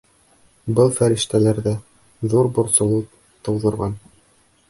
Был фәрештәләрҙә ҙур борсолоу тыуҙырған.